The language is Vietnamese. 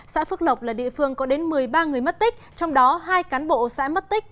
xã phước lộc là địa phương có đến một mươi ba người mất tích trong đó hai cán bộ xã mất tích